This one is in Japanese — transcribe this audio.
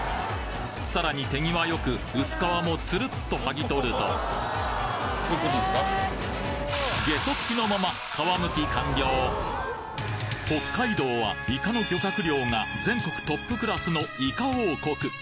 さらに手際よく薄皮もツルッとはぎ取るとゲソつきのまま北海道はいかの漁獲量が全国トップクラスのいか王国